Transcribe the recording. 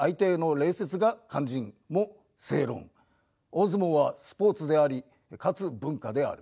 大相撲はスポーツでありかつ文化である。